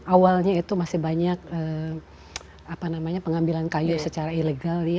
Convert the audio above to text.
awalnya itu masih banyak pengambilan kayu secara ilegal